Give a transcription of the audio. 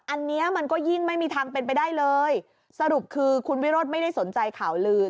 อันนี้มันก็ยิ่งไม่มีทางเป็นไปได้เลยสรุปคือคุณวิโรธไม่ได้สนใจข่าวลือ